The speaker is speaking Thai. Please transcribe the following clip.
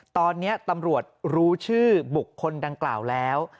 ตอนนี้ตำรวจรู้ชื่อบุคคลดังกล่าวแล้ว